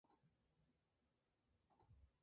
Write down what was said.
Tiene un hermano llamado Joshua John Miller.